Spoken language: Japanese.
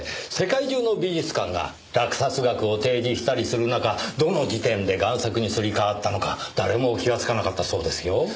世界中の美術館が落札額を提示したりする中どの時点で贋作にすり替わったのか誰も気がつかなかったそうですよ。